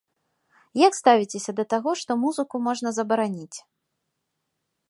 Як ставіцеся да таго, што музыку можна забараніць?